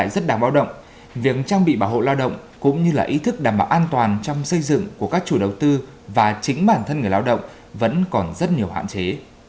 điều động việc trang bị bảo hộ lao động cũng như là ý thức đảm bảo an toàn trong xây dựng của các chủ đầu tư và chính bản thân người lao động vẫn còn rất nhiều hạn chế